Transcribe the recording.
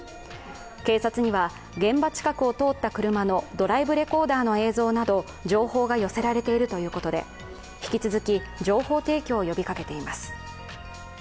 警察には現場近くを通った車のドライブレコーダーの映像など情報が寄せられているということで引き続き情報提供を呼びかけています。